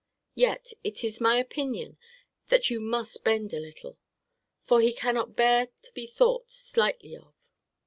Yet, it is my opinion, that you must bend a little; for he cannot bear to be thought slightly of.